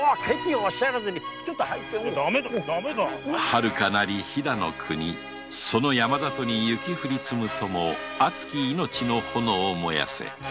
はるかなる飛の国その山里に雪降り積むとも熱き命の炎燃やせ。